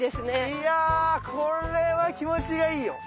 いやこれは気持ちがいいよ。